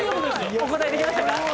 お応えできましたか？